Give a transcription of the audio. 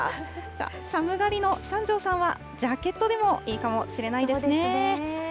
じゃあ、寒がりの三條さんはジャケットでもいいかもしれませんね。